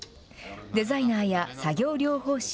デザイナーや作業療法士、